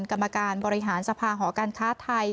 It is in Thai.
กรรมการบริหารสภาหอการค้าไทย